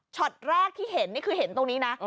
แรกที่เห็นนี่คือเห็นตรงนี้นะ